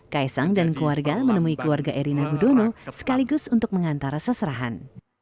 kaisang dan keluarga menemui keluarga erina gudono sekaligus untuk mengantar seserahan